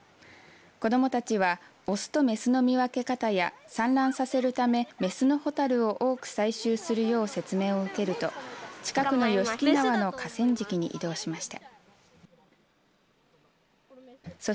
子どもたちは雄と雌の見分け方や産卵させるため雌のホタルを多く採集するよう説明を受けると近くの吉敷川の河川敷に移動しました。